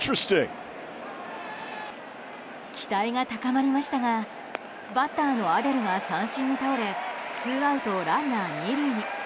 期待が高まりましたがバッターのアデルが三振に倒れツーアウト、ランナー２塁に。